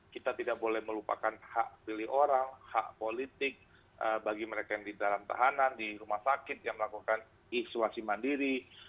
kita tidak boleh melupakan hak pilih orang hak politik bagi mereka yang di dalam tahanan di rumah sakit yang melakukan isolasi mandiri